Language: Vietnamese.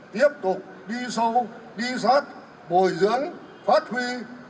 tiếp tục đi sâu đi sát bồi dưỡng phát huy